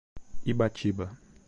Ibatiba